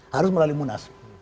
harus melalui munas